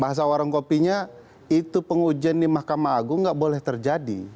bahasa warung kopinya itu pengujian di mahkamah agung nggak boleh terjadi